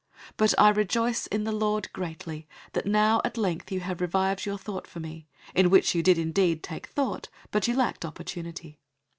004:010 But I rejoice in the Lord greatly, that now at length you have revived your thought for me; in which you did indeed take thought, but you lacked opportunity.